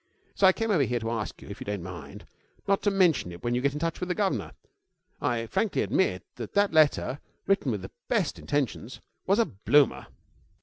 So I came over here to ask you, if you don't mind, not to mention it when you get in touch with the governor. I frankly admit that that letter, written with the best intentions, was a bloomer.'